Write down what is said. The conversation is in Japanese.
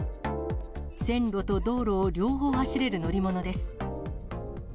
線路と道路を両方走れる乗り物です。